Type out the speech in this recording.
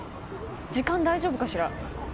時間、大丈夫かしら。